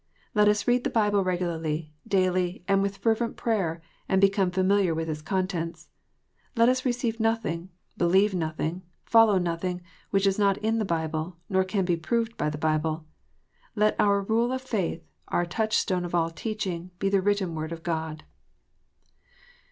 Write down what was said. Let us read the Bible regularly, daily, and with fervent prayer, and become familiar with its contents. Let us receive nothing, believe nothing, follow nothing, which is not in the Bible, nor can be proved by the Bible. Let our rule of faith, our touch stone of all teaching, be the written Word of God.